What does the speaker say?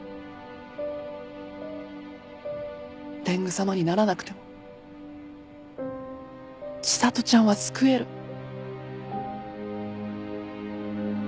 天狗様にならなくても千里ちゃんは救える。